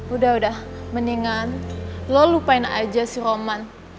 udah udah mendingan lo lupain aja sih roman